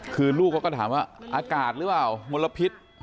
คือลูกเขาก็ถามว่าอากาศหรือเปล่ามลพิษ